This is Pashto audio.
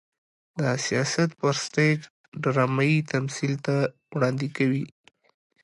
د سياست پر سټېج ډرامايي تمثيل ته وړاندې کوي.